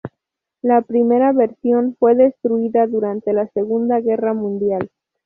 La primera versión fue destruida durante la Segunda Guerra Mundial.